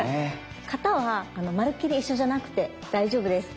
形はまるっきり一緒じゃなくて大丈夫です。